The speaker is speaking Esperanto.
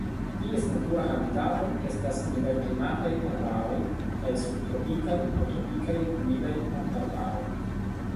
Ties natura habitato estas moderklimataj arbaroj kaj subtropikaj aŭ tropikaj humidaj montararbaroj.